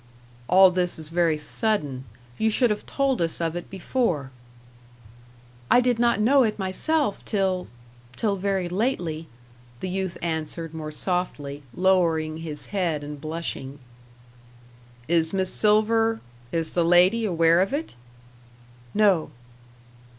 "All this is very sudden. You should have told us of it before." "I did not know it myself till till very lately," the youth answered more softly, lowering his head and blushing. "Is Miss Silver is the lady aware of it?" "No."